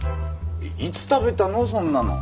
いつ食べたのそんなの。